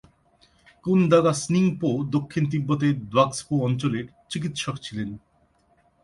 কুন-দ্গা'-স্ন্যিং-পো দক্ষিণ তিব্বতের দ্বাগ্স-পো অঞ্চলের চিকিৎসক ছিলেন।